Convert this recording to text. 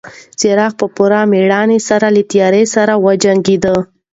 څراغ په پوره مېړانه سره له تیارې سره وجنګېد.